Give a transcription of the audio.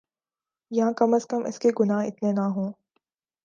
یاکم ازکم اس کے گناہ اتنے نہ ہوں۔